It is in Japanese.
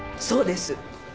そうです。